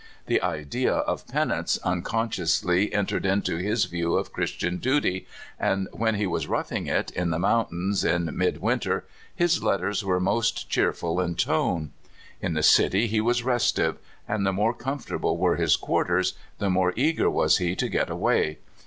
The idea of penance un consciously entered into his view of Christian duty, and when he was " roughing it " in the mountains in midwinter his letters were most cheerful in tone. In the city he was restive, and the more comforta ble were his quarters the more eager was he to get away.